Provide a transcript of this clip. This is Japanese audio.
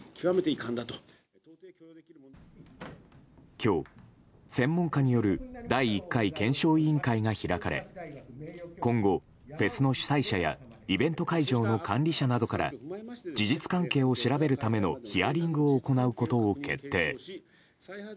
今日、専門家による第１回検証委員会が開かれ今後、フェスの主催者やイベント会場の管理者などから事実関係を調べるためのヒアリングを行うことを決定。